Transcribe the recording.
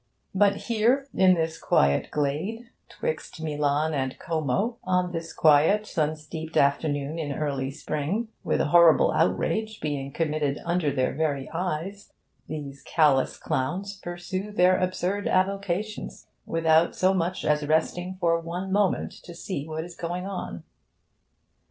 But here, in this quiet glade 'twixt Milan and Como, on this quiet, sun steeped afternoon in early Spring, with a horrible outrage being committed under their very eyes, these callous clowns pursue their absurd avocations, without so much as resting for one moment to see what is going on.